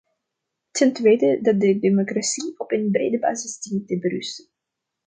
Ten tweede dat de democratie op een brede basis dient te berusten.